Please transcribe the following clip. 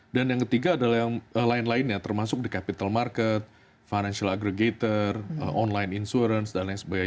dan yang ketiga adalah yang lain lainnya termasuk di capital market financial aggregator online insurance dan lain sebagainya